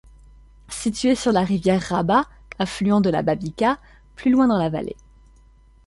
Située sur la rivière Raba, affluent de la Babica, plus loin dans la vallée.